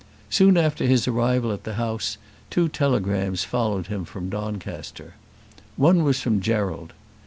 Soon after his arrival at the house two telegrams followed him from Doncaster. One was from Gerald.